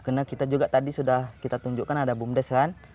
karena kita juga tadi sudah kita tunjukkan ada bumdes kan